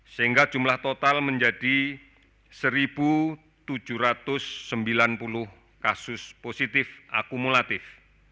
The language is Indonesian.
sehingga jumlah total menjadi satu tujuh ratus sembilan puluh kasus positif akumulatif